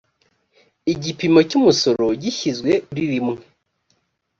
igipimo cy umusoro gishyizwe kuri rimwe